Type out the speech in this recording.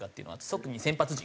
特に先発陣。